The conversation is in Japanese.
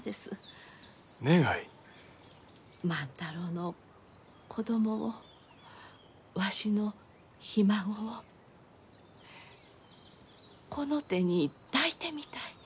万太郎の子供をわしのひ孫をこの手に抱いてみたい。